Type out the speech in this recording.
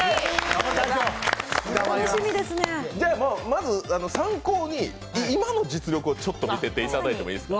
まず参考に、今の実力を見せていただいてもいいですか？